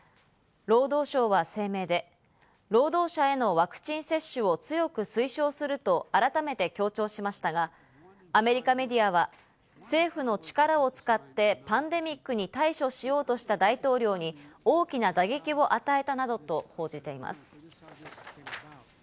労働相は声明で、労働者へのワクチン接種を強く推奨すると改めて強調しましたが、アメリカメディアは、政府の力を使ってパンデミックに対処しようとした大統領に大きな打撃を与えたなどと報じています。